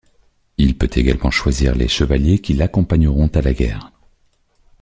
Il peut également choisir les chevaliers qui l'accompagneront à la guerre.